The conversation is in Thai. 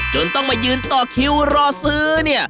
จนต้องมายืนต่อคิวรอซื้อเนี่ย